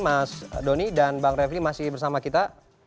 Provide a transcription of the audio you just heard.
mas doni dan bang refli masih bersama kita